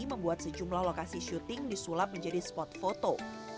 membuat sejumlah lokasi syuting disulap menjadi spot foto